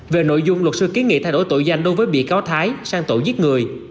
về nội dung luật sư kiến nghị thay đổi tội danh đối với bị cáo thái sang tội giết người